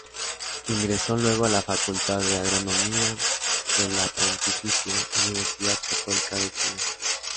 Ingresó luego a la Facultad de Agronomía de la Pontificia Universidad Católica de Chile.